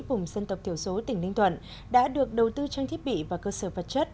vùng dân tộc thiểu số tỉnh ninh thuận đã được đầu tư trang thiết bị và cơ sở vật chất